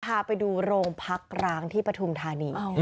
พาไปดูโรงพักร้างที่ปฐุมธานี